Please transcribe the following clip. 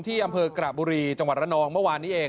อำเภอกระบุรีจังหวัดระนองเมื่อวานนี้เอง